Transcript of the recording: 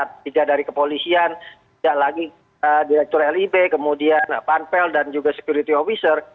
tidak dari kepolisian tidak lagi direktur lib kemudian panpel dan juga security officer